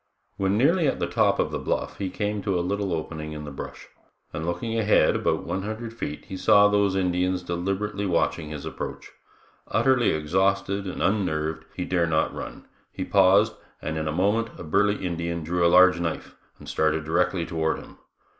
When nearly at the top of the bluff he came to a little opening in the brush, and looking ahead about one hundred feet he saw those Indians deliberately watching his approach. Utterly exhausted and unnerved, he dare not run; he paused, and in a moment a burly Indian drew a large knife and started directly toward him.